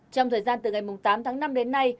trong thời gian từ ngày tám tháng năm đến nay